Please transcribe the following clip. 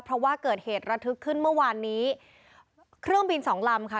เพราะว่าเกิดเหตุระทึกขึ้นเมื่อวานนี้เครื่องบินสองลำค่ะ